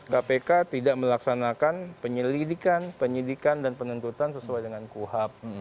kpk tidak melaksanakan penyelidikan penyidikan dan penuntutan sesuai dengan kuhap